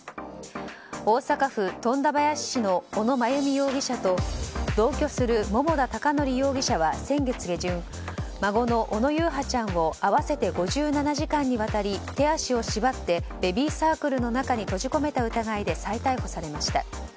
大阪府富田林市の小野真由美容疑者と同居する桃田貴徳容疑者は先月下旬孫の小野優陽ちゃんを合わせて５７時間にわたり手足を縛ってベビーサークルの中に閉じ込めた疑いで再逮捕されました。